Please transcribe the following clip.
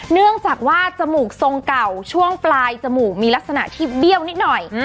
เนื่องจากว่าจมูกทรงเก่าช่วงปลายจมูกมีลักษณะที่เบี้ยวนิดหน่อย